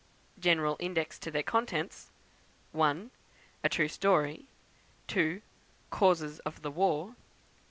General index to their contents: 1. A True Story; 2. Causes of the War; 3.